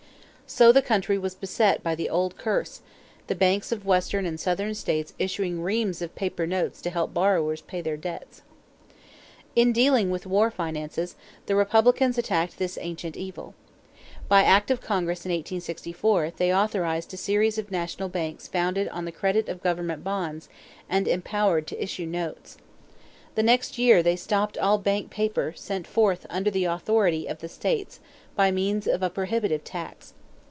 So the country was beset by the old curse, the banks of Western and Southern states issuing reams of paper notes to help borrowers pay their debts. In dealing with war finances, the Republicans attacked this ancient evil. By act of Congress in 1864, they authorized a series of national banks founded on the credit of government bonds and empowered to issue notes. The next year they stopped all bank paper sent forth under the authority of the states by means of a prohibitive tax.